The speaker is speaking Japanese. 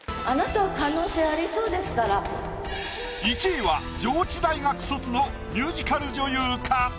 １位は上智大学卒のミュージカル女優か？